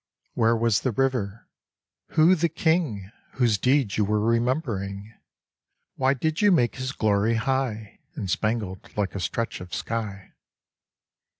Where was the river ? Who the king Whose deeds you were remembering? Why did you make his glory high And spangled like a stretch of sky?